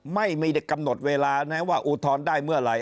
ไม่มีกำหนดเวลานะว่าอุทธรณ์ได้เมื่อไหร่